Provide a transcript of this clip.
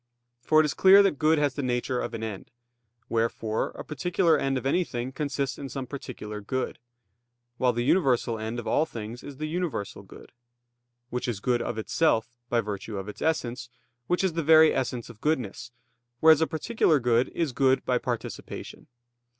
For it is clear that good has the nature of an end; wherefore, a particular end of anything consists in some particular good; while the universal end of all things is the Universal Good; Which is good of Itself by virtue of Its Essence, Which is the very essence of goodness; whereas a particular good is good by participation.